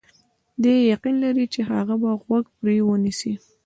دی یقین لري چې هغه به غوږ پرې ونه نیسي.